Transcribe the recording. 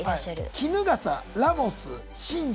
衣笠ラモス新庄。